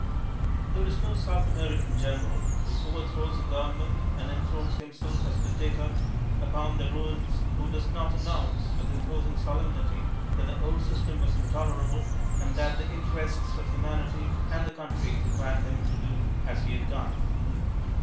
There is no South American general who overthrows a government and enthrones himself as dictator upon the ruins who does not announce with imposing solemnity that the old system was intolerable, and that the interests of humanity and the country required him to do as he had done.